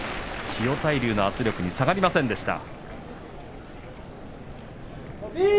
千代大龍の圧力に下がりませんでした。